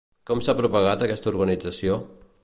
Com s'ha propagat aquesta organització?